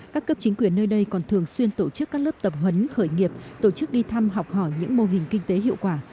các cấp chính quyền nơi đây còn thường xuyên tổ chức các lớp tập huấn khởi nghiệp tổ chức đi thăm học hỏi những mô hình kinh tế hiệu quả